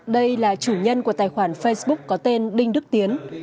đây là chủ nhân của tài khoản facebook có tên đinh đức tiến